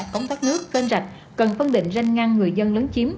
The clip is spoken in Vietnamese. cống thắt nước cân rạch cần phân định ranh ngăn người dân lớn chiếm